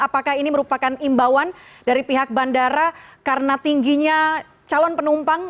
apakah ini merupakan imbauan dari pihak bandara karena tingginya calon penumpang